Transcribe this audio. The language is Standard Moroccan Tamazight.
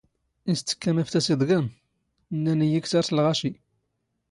ⵉⵙ ⴷ ⵜⴽⴽⴰⵎ ⴰⴼⵜⴰⵙ ⵉⴹⴳⴰⵎ? ⵏⵏⴰⵏ ⵉⵢⵉ ⵉⴽⵜⴰⵔ ⵙ ⵍⵖⴰⵛⵉ.